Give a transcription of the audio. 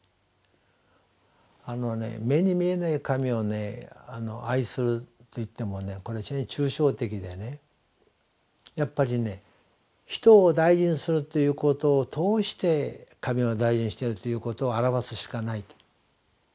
あのね目に見えない神を愛するといってもこれ非常に抽象的でやっぱりね人を大事にするということを通して神を大事にしているということをあらわすしかないと。